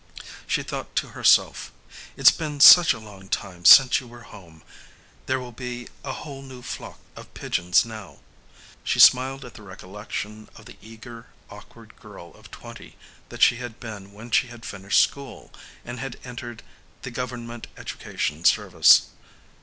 She thought to herself, "It's been such a long time since you were home. There will be a whole new flock of pigeons now." She smiled at the recollection of the eager, awkward girl of twenty that she had been when she had finished school and had entered the Government Education Service.